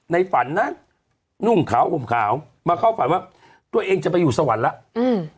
ฝันนะนุ่งขาวห่มขาวมาเข้าฝันว่าตัวเองจะไปอยู่สวรรค์แล้วอืม